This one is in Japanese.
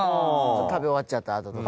食べ終わっちゃった後とか。